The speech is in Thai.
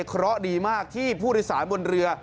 เคราะห์ดีมากที่ผู้ทฤษานบนเรือ